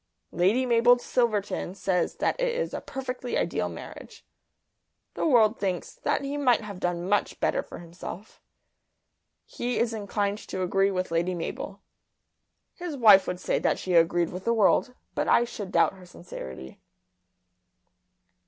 Lady Mabel Silverton says that it is a perfectly ideal marriage. The world thinks that he might have done much better for himself. He is inclined to agree with Lady Mabel. His wife would say that she agreed with the world; but I should doubt her sincerity.